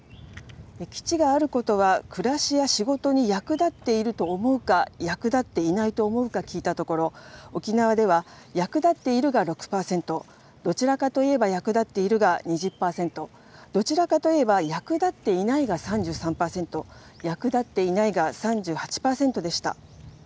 基地があることは暮らしや仕事に役立っていると思うか、役立っていないと思うか聞いたところ、沖縄では、役立っているが６％、どちらかといえば役立っているが２０％、どちらかといえば役立っていないが３３％、役立っていないが３８％でした。